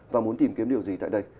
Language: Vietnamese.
và muốn tìm kiếm điều gì tại đây